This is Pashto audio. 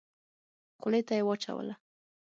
خولې ته يې واچوله.